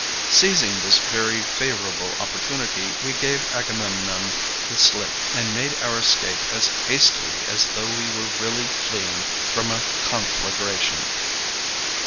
Seizing this very favorable opportunity, we gave Agamemnon the slip, and made our escape as hastily as though we were really fleeing from a conflagration.